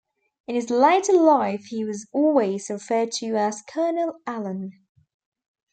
In his later life he was always referred to as Colonel Allen.